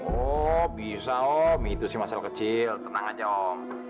oh bisa om itu sih masalah kecil tenang aja om